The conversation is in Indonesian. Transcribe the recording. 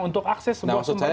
untuk akses semua sumber daya